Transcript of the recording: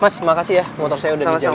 mas makasih ya motor saya udah dijawab